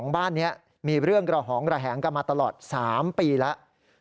บ้านนี้มีเรื่องกระหองระแหงกันมาตลอด๓ปีแล้ว